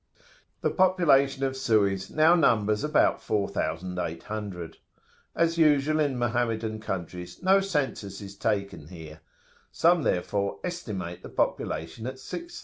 "The population of Suez now numbers about 4,800. As usual in Mohammedan countries no census is taken here. Some therefore estimate the population at 6,000.